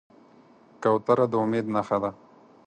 کوتره د امید نښه ده.